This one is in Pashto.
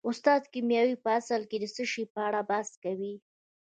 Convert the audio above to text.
استاده کیمیا په اصل کې د څه شي په اړه بحث کوي